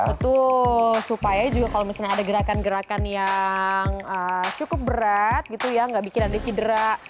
betul supaya juga kalau misalnya ada gerakan gerakan yang cukup berat gitu ya nggak bikin ada cedera